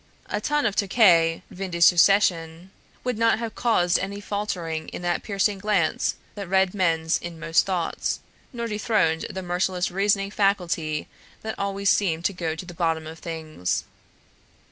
A tun of Tokay vin de succession would not have caused any faltering in that piercing glance that read men's inmost thoughts, nor dethroned the merciless reasoning faculty that always seemed to go to the bottom of things.